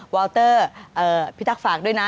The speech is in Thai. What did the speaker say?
วาวเตอร์พี่ตั๊กฝากด้วยนะ